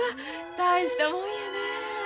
大したもんやねえ。